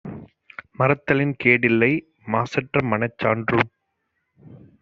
மறத்தலின் கேடில்லை; மாசற்றமனச் சான்றூறும்